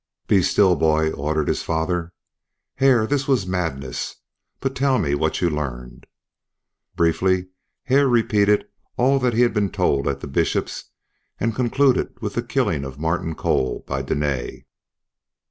"Be still boy!" ordered his father. "Hare, this was madness but tell me what you learned." Briefly Hare repeated all that he had been told at the Bishop's, and concluded with the killing of Martin Cole by Dene.